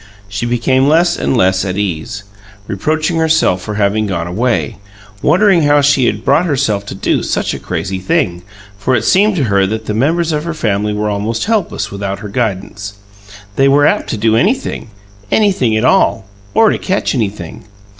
She became less and less at ease, reproaching herself for having gone away, wondering how she had brought herself to do such a crazy thing, for it seemed to her that the members of her family were almost helpless without her guidance; they were apt to do anything anything at all or to catch anything.